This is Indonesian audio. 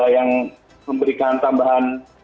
yang memberikan tambahan